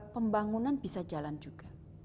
pembangunan bisa jalan juga